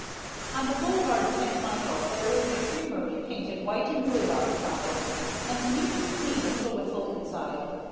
On the Boulevard St. Michel there is a Crémerie painted white and blue outside, and neat and clean as a whistle inside.